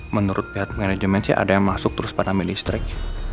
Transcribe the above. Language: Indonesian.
menurut pihak manajemen sih ada yang masuk terus panamen listrik